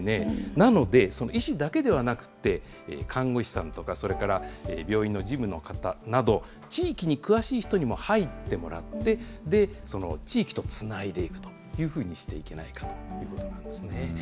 なので、医師だけではなくて、看護師さんとか、それから病院の事務の方など、地域に詳しい人にも入ってもらって、地域とつないでいくというふうにしていけないかということなんですね。